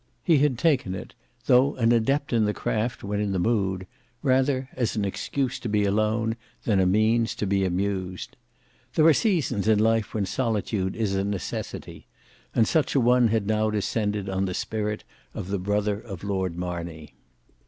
He had taken it, though an adept in the craft when in the mood, rather as an excuse to be alone, than a means to be amused. There are seasons in life when solitude is a necessity; and such a one had now descended on the spirit of the brother of Lord Marney.